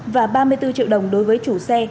và ba mươi bốn triệu đồng đối với chủ xe